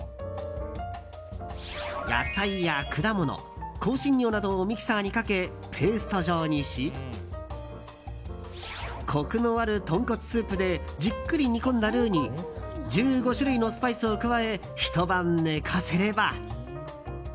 野菜や果物、香辛料などをミキサーにかけペースト状にしコクのある豚骨スープでじっくり煮込んだルーに１５種類のスパイスを加えひと晩寝かせれば。